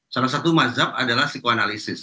salah satu mazhab adalah psikoanalisis